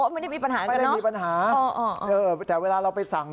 ไม่ได้มีปัญหาแต่เวลาเราไปสั่ง